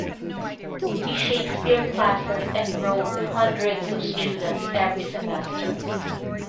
His Shakespeare classes enrolled hundreds of students every semester.